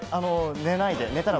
寝ないで。